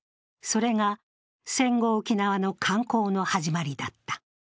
それが戦後沖縄の観光の始まりだった。